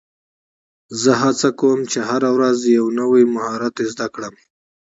زه هڅه کوم، چي هره ورځ یو نوی مهارت زده کړم.